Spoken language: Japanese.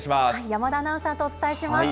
山田アナウンサーとお伝えします。